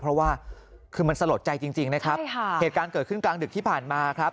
เพราะว่าคือมันสลดใจจริงนะครับใช่ค่ะเหตุการณ์เกิดขึ้นกลางดึกที่ผ่านมาครับ